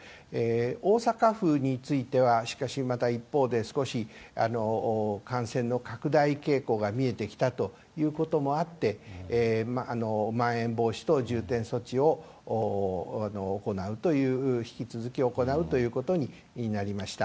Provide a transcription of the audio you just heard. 大阪府については、しかしまた、一方で、少し感染の拡大傾向が見えてきたということもあって、まん延防止等重点措置を行うという、引き続き行うということになりました。